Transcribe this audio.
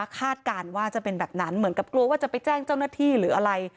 การว่าจะเป็นแบบนั้นเหมือนกับกลัวว่าจะไปแจ้งเจ้าหน้าที่หรืออะไร